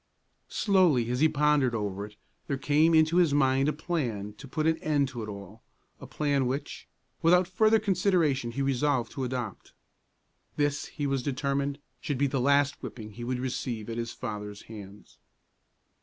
Slowly, as he pondered over it, there came into his mind a plan to put an end to it all, a plan which, without further consideration, he resolved to adopt. This, he was determined, should be the last whipping he would receive at his father's hands.